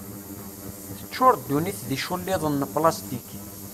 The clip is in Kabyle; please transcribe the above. Teččur ddunit d iculliḍen n plastik.